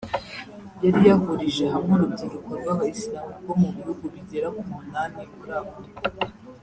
yari yahurije hamwe urubyiruko rw’aba Islam rwo mu bihugu bigera ku munani muri Afurika